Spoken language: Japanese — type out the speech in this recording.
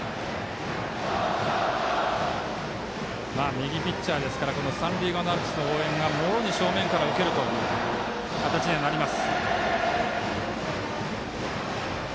右ピッチャーですから三塁側のアルプスの応援をもろに正面から受けるという形になります。